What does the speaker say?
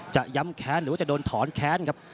ย้ำแค้นหรือว่าจะโดนถอนแค้นครับ